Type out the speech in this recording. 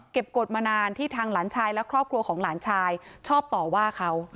กฎมานานที่ทางหลานชายและครอบครัวของหลานชายชอบต่อว่าเขา